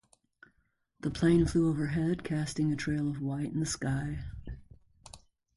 The plane flew overhead, casting a trail of white in the sky.